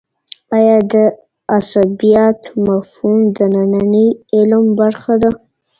آیا د عصبيت مفهوم د ننني علم برخه ده؟